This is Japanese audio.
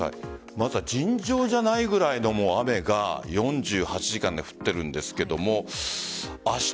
まずは尋常じゃないくらいの雨が４８時間で降っているんですけど明日